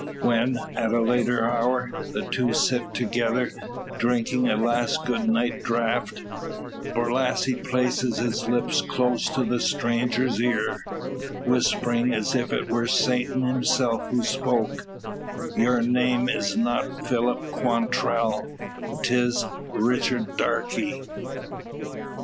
When, at a later hour, the two sit together, drinking a last good night draught, Borlasse places his lips close to the stranger's ear, whispering as if it were Satan himself who spoke, "Your name is not Philip Quantrell: 'tis Richard Darke!" CHAPTER THIRTY THREE.